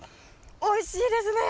おいしいですね。